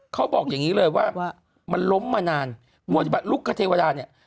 เขาบอกอย่างนี้เลยว่ามันล้มมานานลุกคเทวดาเนี่ย